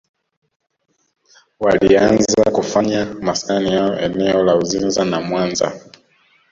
Walianza kufanya maskani yao eneo la Uzinza na Mwanza